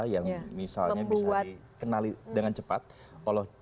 yang misalnya bisa dikenali dengan cepat oleh